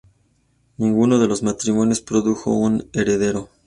Ninguno de los matrimonios produjo un heredero.